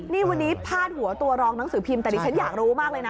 นี่วันนี้พาดหัวตัวรองหนังสือพิมพ์แต่ดิฉันอยากรู้มากเลยนะ